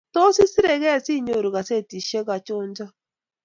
Tos, isiregei siinyoru kasetishek anjocho?